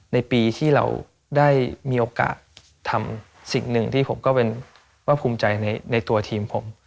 ในปีที่เราได้มีโอกาสทำสิ่งหนึ่งที่ผมก็เป็นว่าภูมิใจในตัวทีมผม